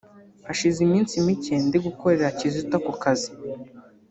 Hashize iminsi mike ndi gukorera Kizito ako kazi